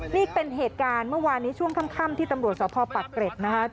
นี่เป็นเหตุการณ์เมื่อวานนี้ช่วงค่ำที่ตำรวจสภปากเกร็ดนะคะ